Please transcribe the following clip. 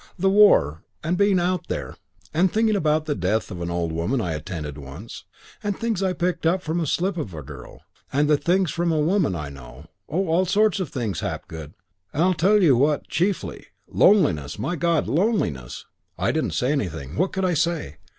The war; and being out there; and thinking about the death of an old woman I attended once; and things I picked up from a slip of a girl; and things from a woman I know oh, all sorts of things, Hapgood; and I tell you what chiefly loneliness, my God, loneliness....' "I didn't say anything. What could I say?